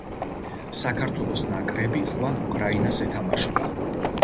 საქართველოს ნაკრები ხვალ უკრაინას ეთამაშება